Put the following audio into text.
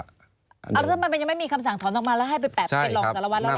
แล้วทำไมมันยังไม่มีคำสั่งถอนออกมาแล้วให้ไปแปะเป็นรองสารวัตรแล้วล่ะ